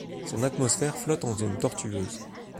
Son atmosphère flotte en zones tortueuses.